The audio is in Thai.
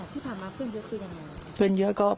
ที่ผ่านมาเพื่อนเยอะคือยังไง